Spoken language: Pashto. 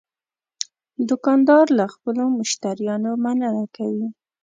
دوکاندار له خپلو مشتریانو مننه کوي.